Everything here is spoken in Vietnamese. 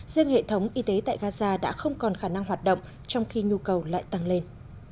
riêng hệ thống y tế tại gaza đã không còn khả năng hoạt động trong khi nhu cầu lại tăng lên